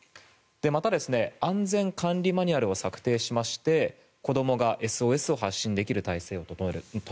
また、安全管理マニュアルを策定しまして子どもがＳＯＳを発信できる体制を整える。